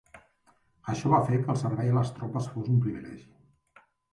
Això va fer que el servei a les tropes fos un privilegi.